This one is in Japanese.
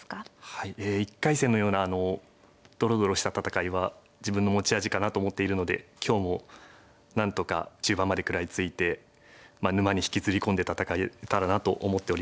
はい１回戦のようなドロドロした戦いは自分の持ち味かなと思っているので今日もなんとか中盤まで食らいついて沼に引きずり込んで戦えたらなと思っております。